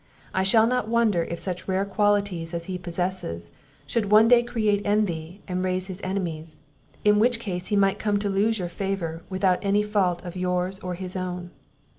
I should not wonder if such rare qualities as he possesses, should one day create envy, and raise him enemies; in which case he might come to lose your favour, without any fault of yours or his own."